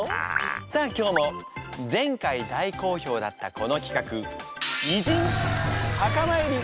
さあ今日も前回大好評だったこの企画偉人墓参り！